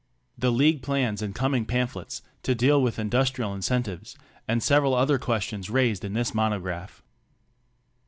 The League plans in coming pamphlets to deal with "Industrial Incentives" and several other questions raised in this monograph.